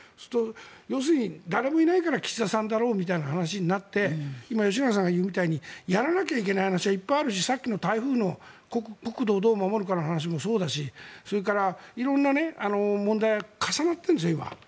要するに誰もいないから岸田さんだろうという話になって今、吉永さんが言うみたいにやらなきゃいけない話はいっぱいあるしさっきの台風の国土をどう守るかの話もそうだしそれから色んな問題重なっているんです、今。